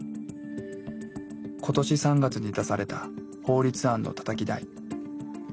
今年３月に出された法律案のたたき台。